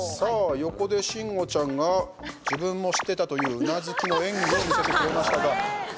横で慎吾ちゃんが自分も知ってたといううなずきの演技を見せてくれましたが。